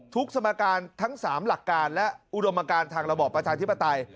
สมการทั้ง๓หลักการและอุดมการทางระบอบประชาธิปไตย